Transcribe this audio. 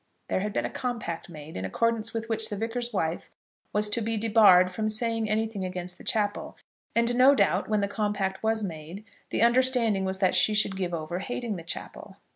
There had been a compact made, in accordance with which the Vicar's wife was to be debarred from saying anything against the chapel, and, no doubt, when the compact was made, the understanding was that she should give over hating the chapel.